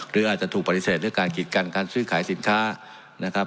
หรืออาจจะถูกปฏิเสธเรื่องการกิจกันการซื้อขายสินค้านะครับ